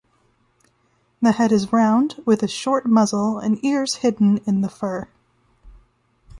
The head is round with a short muzzle and ears hidden in the fur.